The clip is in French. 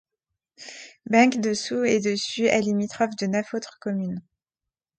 Benque-Dessous-et-Dessus est limitrophe de neuf autres communes.